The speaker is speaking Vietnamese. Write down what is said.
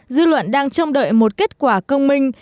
dư luận đang trông đợi một kết quả công minh